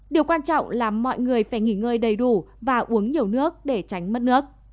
điều quan trọng là mọi người phải nghỉ ngơi đầy đủ và uống nhiều nước để tránh mất nước